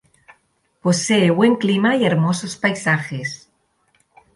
Posee buen clima y hermosos paisajes.